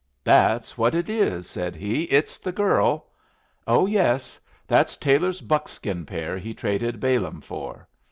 "That's what it is," said he. "It's the girl. Oh yes. That's Taylor's buckskin pair he traded Balaam for.